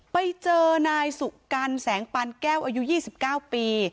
ไปเจอนายสุกัณแสงปันแก้วอายุ๒๙ปี